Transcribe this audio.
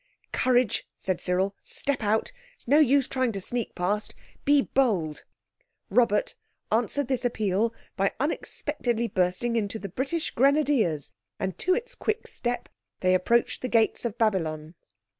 "Courage," said Cyril. "Step out. It's no use trying to sneak past. Be bold!" Robert answered this appeal by unexpectedly bursting into "The British Grenadiers", and to its quick step they approached the gates of Babylon.